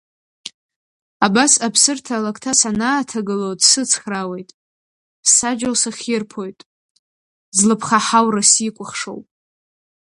Абас аԥсырҭа алакҭа санааҭагыло дсыцхраауеит, саџьал сахирԥоит, злыԥха ҳаура сикәыхшоуп!